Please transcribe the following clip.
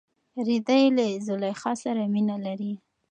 رېدی له زلیخا سره مینه لري.